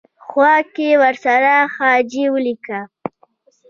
خوا کې ورسره حاجي ولیکه.